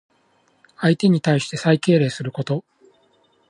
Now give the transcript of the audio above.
相手に対して最敬礼すること。